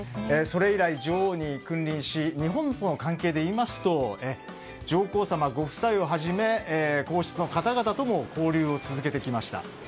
それ以来、女王に君臨し日本との関係で言いますと上皇さまご夫妻をはじめ皇室の方々とも交流を続けてきました。